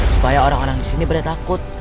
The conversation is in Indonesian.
supaya orang orang disini berdekat takut